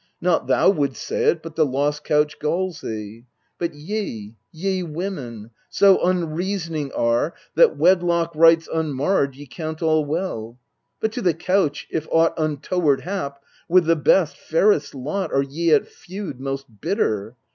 Not thou wouldst say it, but the lost couch galls thee. But ye ye women so unreasoning are That, wedlock rights unmarred, ye count all well ; But to the couch if aught untoward hap, With the best, fairest lot are ye at feud Most bitter.